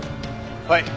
はい。